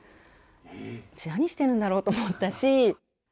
何してるんだろうと思ったし。